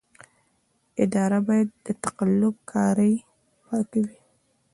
اداره باید له تقلب کارۍ پاکه وي.